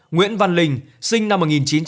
nguyễn văn linh sinh năm một nghìn chín trăm tám mươi